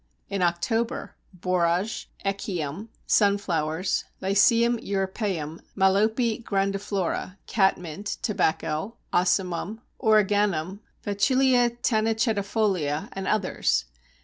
In October: Borage, Echium, Sunflowers, Lycium europæum, Malope grandiflora, Catmint, Tobacco, Ocimum, Origanum, Phacelia tanacetifolia, and others.